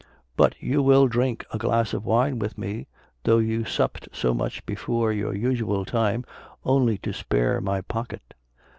But you will drink a glass of wine with me, though you supped so much before your usual time only to spare my pocket."